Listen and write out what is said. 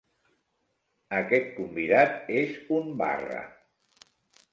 Aquest convidat és un barra!